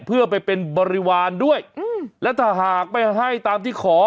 เพื่อไปเป็นบริวารด้วยและถ้าหากไม่ให้ตามที่ขอ